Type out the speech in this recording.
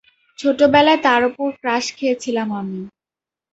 ছোটবেলায় তার ওপর ক্রাশ খেয়েছিলাম আমি।